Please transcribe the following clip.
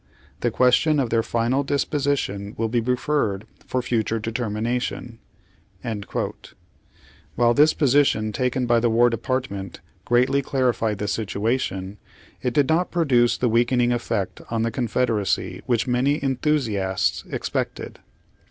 The question of their final disposition will be referred for future determination." While this position taken by the War Depart ment greatly clarified the situation, it did not produce the weakening effect on the Confederacy which many enthusiasts expected.